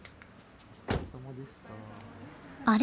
あれ？